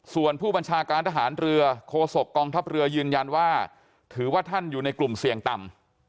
ส่วนผู้บัญชาการทหารเรือโคศกกองทัพเรือยืนยันว่าถือว่าท่านอยู่ในกลุ่มเสี่ยงต่ำ